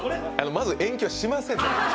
まず延期はしません。